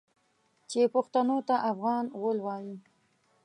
چې پښتنو ته افغان غول وايي.